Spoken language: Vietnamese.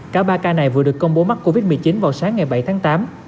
cả ba ca này vừa được công bố mắc covid một mươi chín vào sáng ngày bảy tháng tám